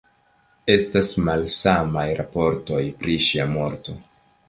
Estas malsamaj raportoj pri ŝia morto.